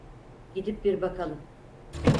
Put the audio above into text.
Gidip bir bakalım.